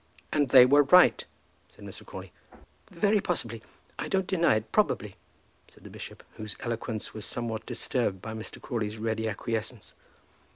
"And they were right," said Mr. Crawley. "Very possibly. I don't deny it. Probably," said the bishop, whose eloquence was somewhat disturbed by Mr. Crawley's ready acquiescence.